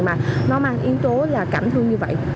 mà nó mang yếu tố là cảm thương như vậy